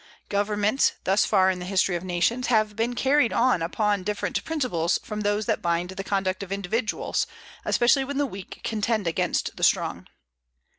Governments, thus far in the history of nations, have been carried on upon different principles from those that bind the conduct of individuals, especially when the weak contend against the strong.